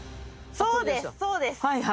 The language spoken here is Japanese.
そうですそうです。